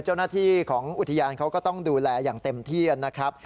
เจ้าหน้าที่ของอุทยานเขาก็ต้องดูแลอย่างเต็มที่นะครับ